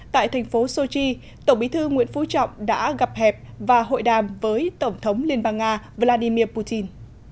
tại thành phố sochi tổng bí thư nguyễn phú trọng đã gặp hẹp và hội đàm với tổng thống liên bang nga vladimir putin